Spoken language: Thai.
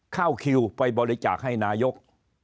เข้าคิวไปบริจาคให้นายก